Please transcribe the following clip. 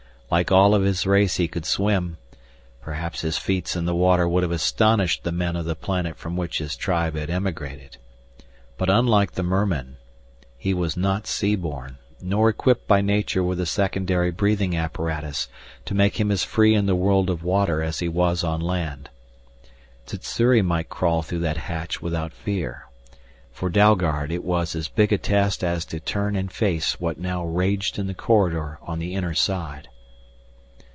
Like all of his race he could swim perhaps his feats in the water would have astonished the men of the planet from which his tribe had emigrated. But unlike the mermen, he was not sea born, nor equipped by nature with a secondary breathing apparatus to make him as free in the world of water as he was on land. Sssuri might crawl through that hatch without fear. For Dalgard it was as big a test as to turn and face what now raged in the corridor on the inner side.